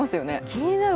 気になる。